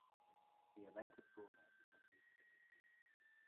The Atlanta schoolhouse had eight grades.